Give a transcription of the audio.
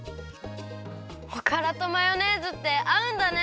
おからとマヨネーズってあうんだね。